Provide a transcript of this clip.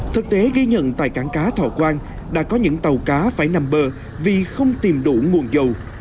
thực tế ghi nhận tại cảng cá thọ quang đã có những tàu cá phải nằm bờ vì không tìm đủ nguồn dầu